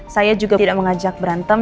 saya juga tidak mengajak berantem